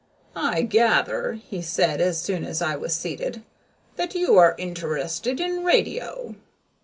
"I gather," he said as soon as I was seated, "that you are interested in radio."